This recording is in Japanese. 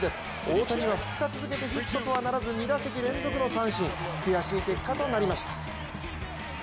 大谷は２日続けてヒットとはならず２打席連続の三振、悔しい結果となりました。